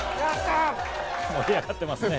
盛り上がってますね。